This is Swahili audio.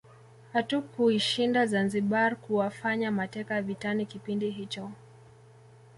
Hatukuishinda Zanzibar kuwafanya mateka vitani kipindi hicho